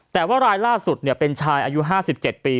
แต่ว่ารายล่าสุดเป็นชายอายุ๕๗ปี